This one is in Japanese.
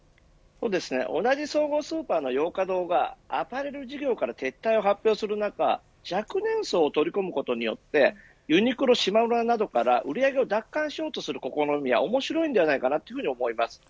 同じ総合スーパーのヨーカドーがアパレル事業から撤退を発表する中若年層を取り込むことによってユニクロしまむらから売り上げを奪還しようとする試みは面白いと思います。